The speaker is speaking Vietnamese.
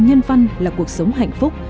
nhân văn là cuộc sống hạnh phúc